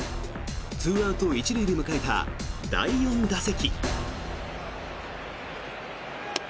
２アウト１塁で迎えた第４打席。